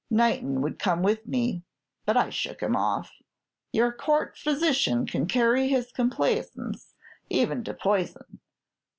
Knighton would come with me, but I shook him off. Your Court physician can carry his complaisance even to poison.